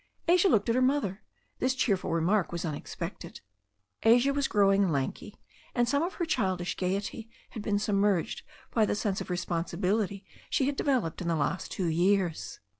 Asia looked at her mother. This cheerful remark was un expected. Asia was growing lanky, and some of her childish gaiety had been submerged by the sense of responsibility she had developed in the last two years.